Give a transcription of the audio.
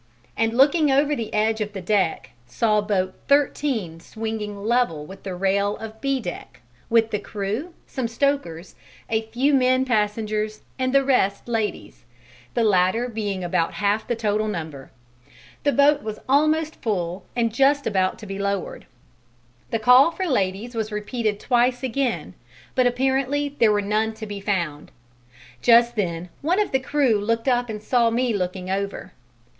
and looking over the edge of the deck, saw boat 13 swinging level with the rail of B deck, with the crew, some stokers, a few men passengers and the rest ladies, the latter being about half the total number; the boat was almost full and just about to be lowered. The call for ladies was repeated twice again, but apparently there were none to be found. Just then one of the crew looked up and saw me looking over.